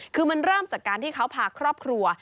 คือมันเริ่มจากการที่เขาพาครอบครัว